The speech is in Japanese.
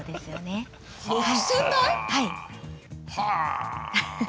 はい。はあ！